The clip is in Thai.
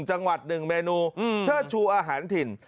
จังหวัดหนึ่งเมนูเชิดชูอาหารถิ่น